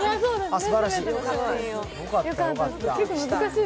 すばらしい。